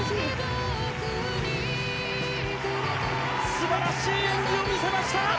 素晴らしい演技を見せました！